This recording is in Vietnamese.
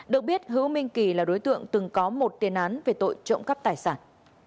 được biết hữu minh kỳ là đối tượng từng có một tiền án về tội trộm cắp tài sản